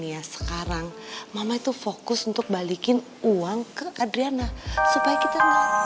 ya sekarang mama itu fokus untuk balikin uang ke adriana supaya kita nggak